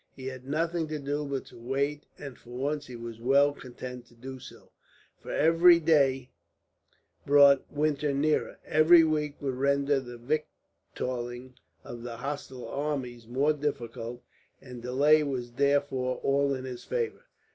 He had nothing to do but to wait, and for once he was well content to do so; for every day brought winter nearer, every week would render the victualling of the hostile armies more difficult, and delay was therefore all in his favour.